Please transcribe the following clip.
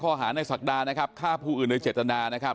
ค่อหารในสักดาค่าผู้อื่นในเจ็ดตนานะครับ